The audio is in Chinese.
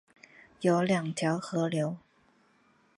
有二条河流